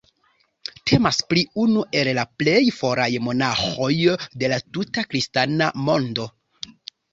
Temas pri unu el la plej foraj monaĥoj de la tuta kristana mondo.